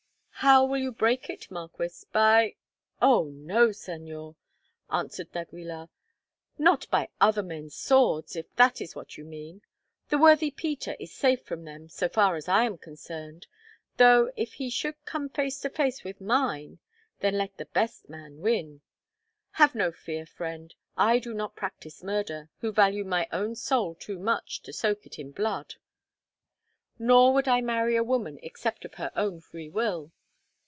"How will you break it, Marquis? by—" "Oh no, Señor!" answered d'Aguilar, "not by other men's swords—if that is what you mean. The worthy Peter is safe from them so far as I am concerned, though if he should come face to face with mine, then let the best man win. Have no fear, friend, I do not practise murder, who value my own soul too much to soak it in blood, nor would I marry a woman except of her own free will.